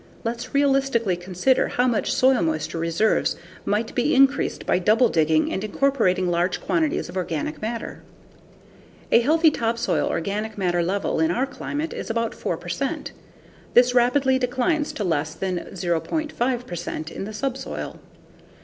Let's realistically consider how much soil moisture reserves might be increased by double digging and incorporating large quantities of organic matter. A healthy topsoil organic matter level in our climate is about 4 percent. This rapidly declines to less than 0.5 percent in the subsoil.